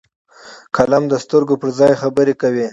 قلم د سترګو پر ځای خبرې کوي